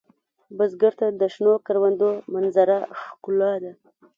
بزګر ته د شنو کروندو منظره ښکلا ده